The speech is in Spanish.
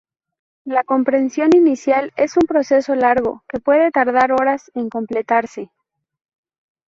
La compresión inicial es un proceso largo, que puede tardar horas en completarse.